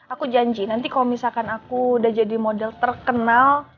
aku janji nanti kalau misalkan aku udah jadi model terkenal